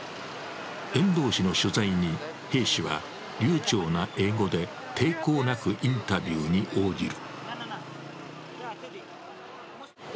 遠藤氏の取材に兵士は流ちょうな英語で抵抗なくインタビューに応じる。